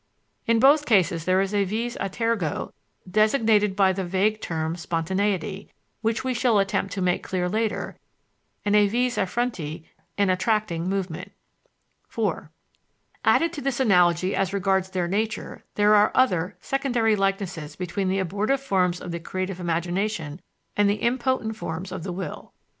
In both cases there is a vis a tergo designated by the vague term "spontaneity," which we shall attempt to make clear later, and a vis a fronte, an attracting movement. 4. Added to this analogy as regards their nature, there are other, secondary likenesses between the abortive forms of the creative imagination and the impotent forms of the will.